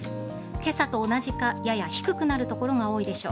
今朝と同じかやや低くなる所が多いでしょう。